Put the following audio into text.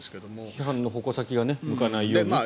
批判の矛先が向かないようにっていう。